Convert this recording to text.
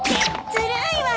ずるいわよ！